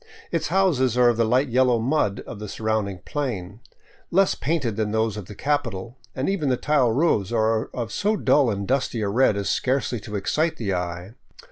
Its houses are of the light yellow mud of the surrounding plain, less painted than those of the capital, and even the tile roofs are of so dull and dusty a red as scarcely to excite the eye.